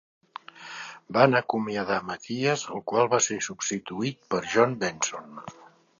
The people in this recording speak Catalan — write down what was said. Van acomiadar Mathias, el qual va ser substituït per John Benson.